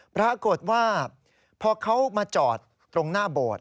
ปรากฏว่าพอเขามาจอดตรงหน้าโบสถ์